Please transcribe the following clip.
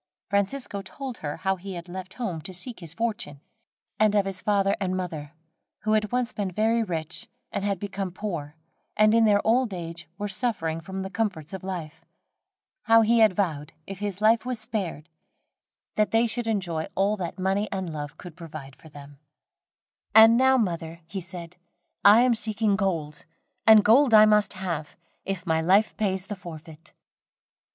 Francisco told her how he had left home to seek his fortune, and of his father and mother, who had once been very rich, and had become poor, and in their old age were suffering for the comforts of life. How he had vowed, if his life was spared, that they should enjoy all that money and love could provide for them. "And now, mother," he said, "I am seeking gold, and gold I must have, if my life pays the forfeit."